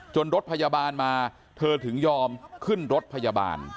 รถพยาบาลมาเธอถึงยอมขึ้นรถพยาบาล